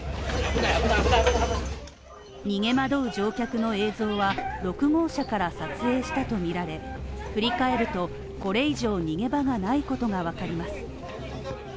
逃げ惑う乗客の映像は、６号車から撮影したとみられ振り返ると、これ以上逃げ場がないことが分かります。